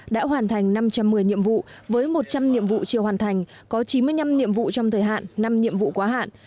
đã hoàn thành năm trăm một mươi nhiệm vụ với một trăm linh nhiệm vụ chưa hoàn thành có chín mươi năm nhiệm vụ trong thời hạn năm nhiệm vụ quá hạn